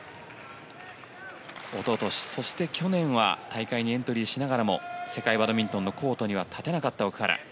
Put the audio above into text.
一昨年、そして去年は大会にエントリーしながらも世界バドミントンのコートには立てなかった奥原。